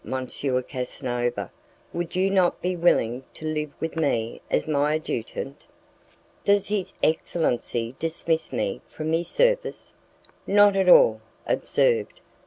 Casanova, would you not be willing to live with me as my adjutant?" "Does his excellency dismiss me from his service?" "Not at all," observed M.